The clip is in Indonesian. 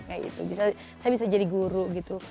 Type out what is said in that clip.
kayak gitu bisa saya bisa jadi guru gitu